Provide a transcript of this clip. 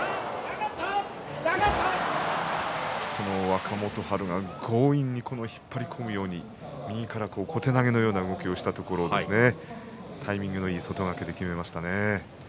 若元春が強引に引っ張り込むように右から小手投げのような動きをしたところタイミングのいい外掛けできめましたね。